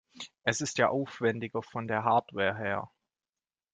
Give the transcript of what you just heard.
Es ist ja aufwendiger von der Hardware her.